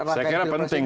saya kira penting